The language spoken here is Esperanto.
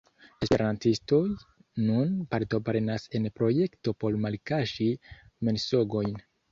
Esperantistoj nun partoprenas en projekto por malkaŝi mensogojn.